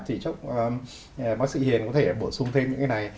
thì chúc bác sĩ hiền có thể bổ sung thêm những cái này